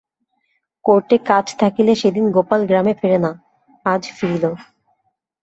কোর্টে কাজ থাকিলে সেদিন গোপাল গ্রামে ফেরে না, আজ ফিরিল।